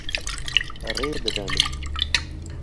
Rê bide min.